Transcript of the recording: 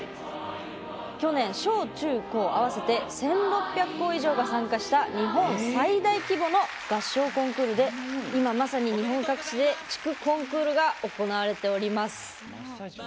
去年は小中高合わせて１６００校以上が参加した日本最大規模の合唱コンクールで今まさに日本各地で地区コンクールが行われております。